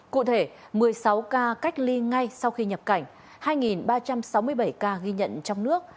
cụ thể một mươi sáu ca cách ly ngay sau khi nhập cảnh hai ba trăm sáu mươi bảy ca ghi nhận trong nước